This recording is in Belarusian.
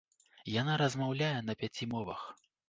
Яна размаўляе на пяці мовах.